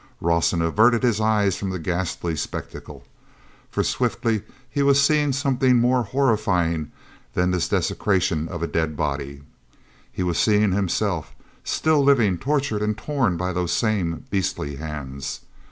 Rawson averted his eyes from the ghastly spectacle. For, swiftly, he was seeing something more horrifying than this desecration of a dead body; he was seeing himself, still living, tortured and torn by those same beastly hands.